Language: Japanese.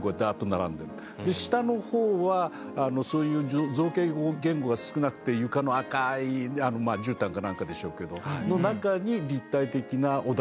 下のほうはそういう造形言語が少なくて床の赤いじゅうたんか何かでしょうけどの中に立体的なオダリスクがいると。